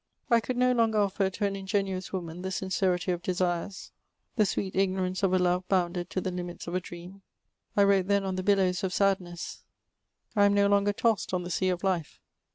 I could no longer offer to an ingenuous woman the sincerity of desires, the sweet ignorance of a lore botmded to the limits of a dream. I wrote then on the billows of sadhess ; I am no longer tossed on the sea of life.